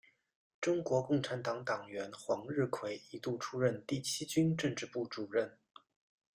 中国共产党党员黄日葵一度出任第七军政治部主任。